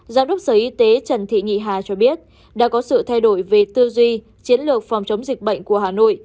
giám đốc sở y tế trần thị nhị hà cho biết đã có sự thay đổi về tư duy chiến lược phòng chống dịch bệnh của hà nội